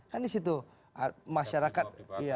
kan di situ masyarakat